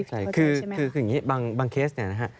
ใช่คืออย่างนี้บางเคส